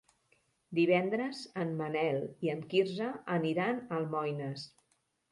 Divendres en Manel i en Quirze aniran a Almoines.